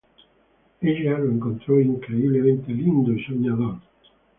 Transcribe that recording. Ella lo encontró "increíblemente lindo" y "soñador".